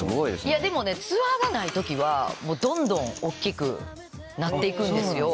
いやでもねツアーがない時はどんどん大っきくなって行くんですよ。